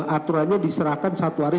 aturannya diserahkan satu hari